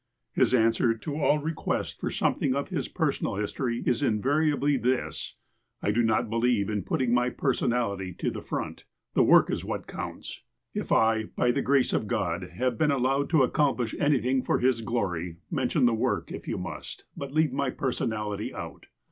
His answer to all requests for something of his personal history is invariably this :'^ I do not believe in putting my personality to the front. The work is what counts. If I, by the grace of God, have been allowed to accomplish anything for His glory, mention the work, if you must, but leave my personality out.